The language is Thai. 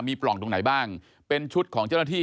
มีปล่องตรงไหนบ้างเป็นชุดของเจ้าหน้าที่